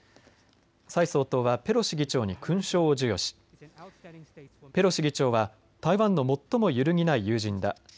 蔡総統はペロシ議長に勲章を授与しペロシ議長は台湾の最も揺るぎない友人だ。